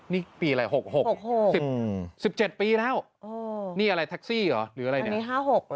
นี่ปีอะไรหกสิบเจ็ดปีแล้วนี่อะไรแท็กซี่เหรอหรืออะไรนี่อันนี้ห้าหกเหรอ